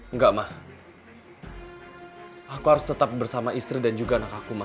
enggak ma aku harus tetap bersama istri dan juga anak aku ma